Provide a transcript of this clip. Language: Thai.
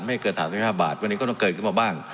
ไม่เกิน๓๕บาทวันนี้ก็ต้องเกิดขึ้นมาบ้าง